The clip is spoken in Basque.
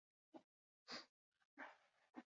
Honenbestez, bere bizitza infernu bilakatuko da.